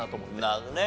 なるほどね。